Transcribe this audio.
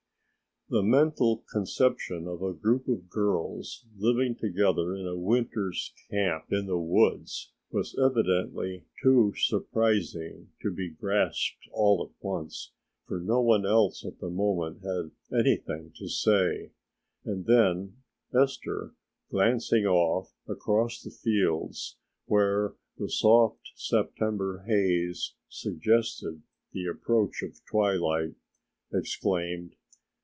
The mental conception of a group of girls living together in a winter's camp in the woods was evidently too surprising to be grasped all at once, for no one else at the moment had anything to say, and then Esther, glancing off across the fields where a soft September haze suggested the approach of the twilight, exclaimed.